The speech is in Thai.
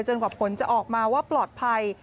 กว่าผลจะออกมาว่าปลอดภัย